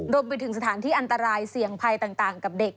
รวมไปถึงสถานที่อันตรายเสี่ยงภัยต่างกับเด็ก